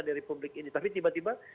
di republik ini tapi tiba tiba